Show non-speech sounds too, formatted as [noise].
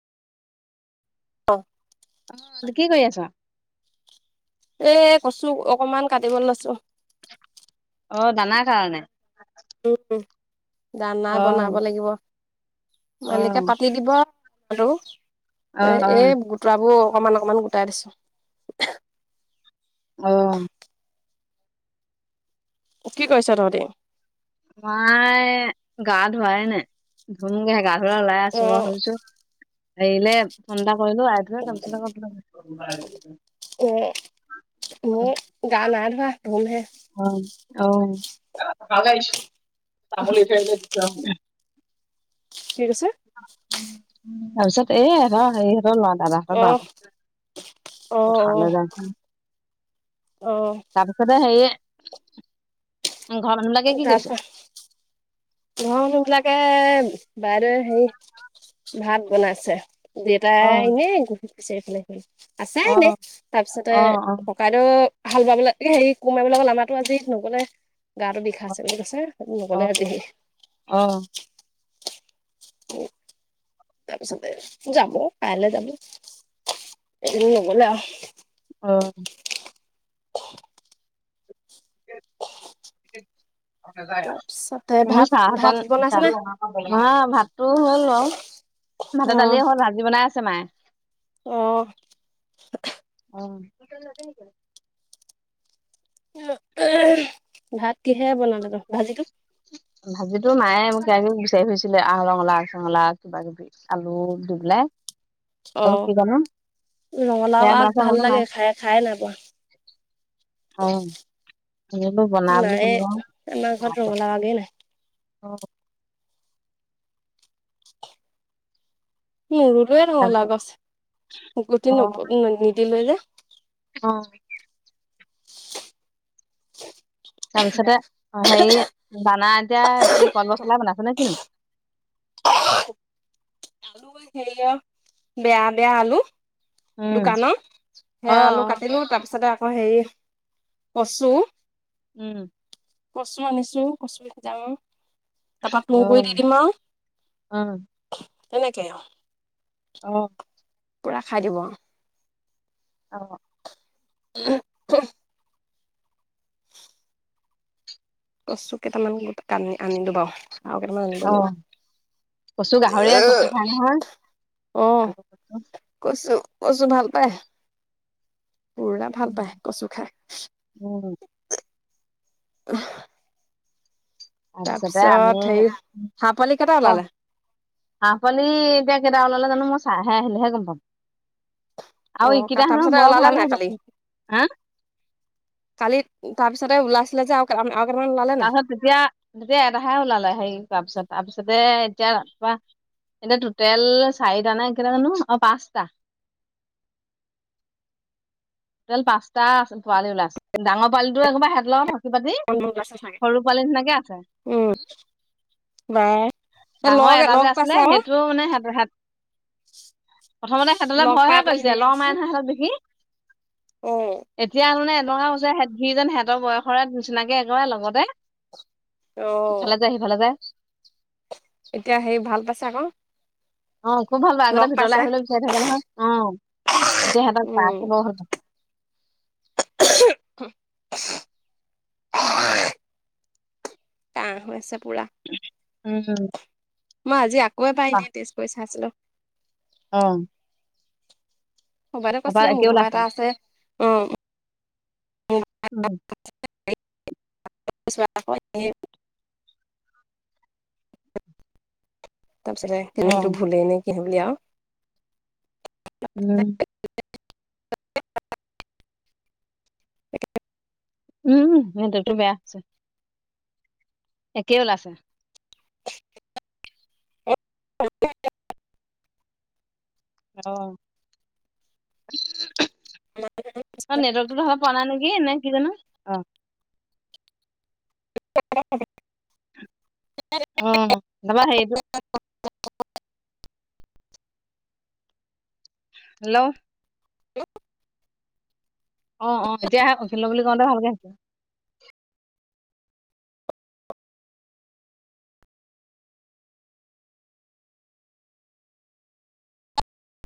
ত অ কি কৰি আছ? এ কচু অকমান কাটিব লৈছোঁ। অ দানাৰ কাৰণে উম দানা অ বনাব লাগিব, অ মালিকে পাতি দিব টো অ এ এই গোটৰাবোৰ অকমান অকমান গোটাই দিছোঁ। অ কি কৰিছ তহঁতি? মাই গা ধুৱাই নে। ধুনকে গা ধৰা ওলাই অ আছো মই ভাবিছো এৰিলে ফোন এটা কৰিলো। [unintelligible] এ ইয়ে গা নাই ধোৱা ধোমহে অ অ [unintelligible] কি কৈছে? তাৰপিছত এই হেত সেই হ লৰা দাদাহঁতৰ অ লৰা, অ পথাৰলৈ যায় শন অ তাৰপিছতে সেইয়ে ঘৰৰ মানুহবিলাকে কি কৰিছে? ঘৰ মানুহ বিলাকে বাইদেৱে হেৰি ভাত বনাইছে। অ দেউতাই এনে ঘূৰি ফুৰিছে এফালে সেইফালে আছে অ এনেই তাৰপিছতে অ অ কাইদেউ হাল বাবলৈ হেৰি কোৰমাৰিবলৈ গ'ল আমাৰটো আজি নগ'লে। গাটো বিষা আছে বুলি কৈছে অ নগ'লে আজি হি। অ উ তাৰ পিছতে যাব কাইলৈ যাব এদিন নগলে আও অম আৰু নাযায় আ তাৰপিছতে মোৰ ভাত চাহ ভাত অকন বনাইছে চাহ নে [unintelligible] মা ভাতটো হ'ল আৰু ভাতে অ' দালিয়ে হ'ল ভাজি বনাই আছে মায়ে। অ অ, দোকান যাবি নেকি? ভাত কিহে বনালে ত ভাজিটো? ভাজিতো মায়ে মোকে বিচাৰি ফুৰিছিলে আহ ৰঙালাও আগ চঙলাও আগ কিবা কিবি। আলু দুবেলাই অ ৰঙালাও সেয়া আগ বনাইছে মই ভাল বোলো লাগে মায়ে খাই খাই নাই অ মই বোলো বনা পোৱা বুলি নাই কলো আৰু আমাৰ ঘৰত মাকে ৰঙলা আগে নাই। নোৰোলে ৰঙালাও তাৰপিছত গছ অ গুটি নব নিদিলে যে। অ চাহ গছতে অ হেৰি বানা এতিয়া কি কলপচলা বনাইছে নে কিনো। হেৰি অ বেয়া বেয়া আলু উম দোকানত অ অ সেয়া আলু কাটিলো তাৰপিছতে আকৌ হেৰি কচু উম কচু আনিছো কচু সিযাম তাৰপা অ টুংগুৰি দি দিম আও অ তেনেকে অ অ পূৰা খাই দিব। অ [unintelligible] কচু কেইটামান আনিলো বাও। অ। কচু গাহৰিয়ে কচু খাই নহয়, অ আলু-কচু। কচু কচু ভাল পাই। পুৰা ভাল উম, পায় কচু খাই। তাৰপিছতে আমি। তাৰপিছত হেৰি হাঁহ পোৱালি কেইটা ক? ওলালে হাঁহ পোৱালি, এতিয়া কেইটা ওলালে জানোঁ! মই চাইহে আহিলেহে গম পাম। অ আৰু ইকেইটা হেনোঁ তাৰপিছতে বৰ ওলালে ভাল নাই কালি হ'ব! হা! কালি তাৰপিছতে, ওলাইছিলে যে আৰু আৰু কেইটামান ওলালে নে নাই? তাৰপিছত তেতিয়া, তেতিয়া এটাহে ওলালে, হেৰি তাৰপিছত, তাৰপিছতে এতিয়া ৰাতিপুৱা এতিয়া, টোটেল চাৰিটা নে, কেইটা জানোঁ! অ'! পাঁচটা। টোটেল পাঁচটা পোৱালি ওলাইছে। ডাঙৰ পোৱালি টো একোবাৰ হেঁতৰ লগত হয়। কি পালি? ওলাইছে চাগে সৰু পোৱালি নিচিনাকে আছে। বা [unintelligible] ডাঙৰ এটা যে আছিলে, সেইটোও মানে, হেঁত, হেঁত প্ৰথমতে সিহঁতলে লগ পাই ভয়হে পেলাই কৰিছে। ধুনীয়াকে ল'ৰ আছে মাৰে নহয় সিহঁতক দেখি। অ এতিয়া মানে, এনেকুৱা হৈছে সিজেন সিহঁতৰ বয়সৰে নিচিনাকে একে লগতে, অ ইফালে যায়, সিফালে যায়। এতিয়া হেৰি, ভাল পাইছে আকৌ। অ'! খুউব ভাল পাই! আগতে লগ ভিতৰলৈ পাইছে আহিবলৈ বিচাৰি থাকে নহয়। অ'! এতিয়া সিহঁতক উম পাই বৰ ভাল পাই! [unintelligible] কাঁহ হৈ আছে পুৰা। [unintelligible] উম! মই আজি আকৌ এবাৰ পাহ এনেই, টেষ্ট কৰি চাইছিলোঁ। অ'! বাইদেউয়ে তাৰপা কৈছিলে, একে মোৰ ভাগৰ ওলাইছে এটা আছে। উম! [unintelligible] উম! [unintelligible] তাৰপিছতে, অ তুমি সেইটো ভুলেই নে' কি হয় বুলি আৰু উম! উম! সিহঁততো বেয়া হৈছে। একেই ওলাল চোন। [unintelligible] অ'! [unintelligible] নেটৱৰ্কটো ভালকে পোৱা নাই নেকি? নে কি জানোঁ! [unintelligible] অ'! তাৰপা, সেইটো হেল্ল'? [unintelligible] অ'! অ'! এতিয়াহে হেল্ল' বুলি কওঁতে ভালকে আহিছে।